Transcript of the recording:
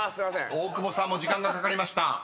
［大久保さん時間かかりました］